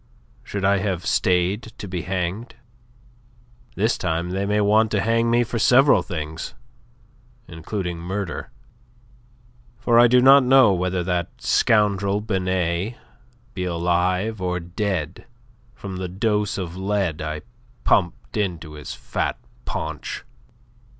Should I have stayed to be hanged? This time they may want to hang me for several things, including murder; for I do not know whether that scoundrel Binet be alive or dead from the dose of lead I pumped into his fat paunch.